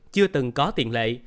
chưa từng có tiện lệ